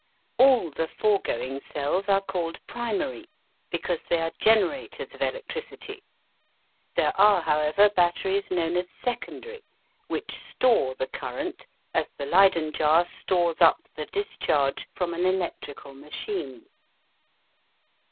All the foregoing cells are called "primary," because they are generators of electricity. There are, however, batteries known as "secondary," which store the current as the Leyden jar stores up the discharge from an electrical machine.